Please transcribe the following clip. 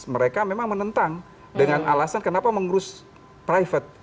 mereka memang menentang dengan alasan kenapa mengurus private